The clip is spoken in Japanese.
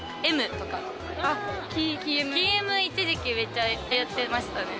キｍ一時期めっちゃ流行ってましたね。